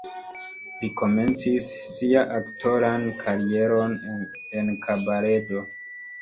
Li komencis sian aktoran karieron en kabaredo.